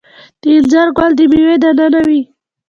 د انځر ګل د میوې دننه وي؟